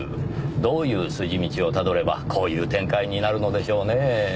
どういう筋道をたどればこういう展開になるのでしょうねぇ？